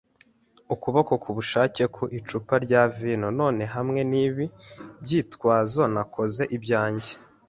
ukuboko ku bushake ku icupa rya vino, none, hamwe nibi byitwazo, nakoze ibyanjye